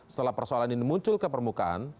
setelah persoalan ini muncul ke permukaan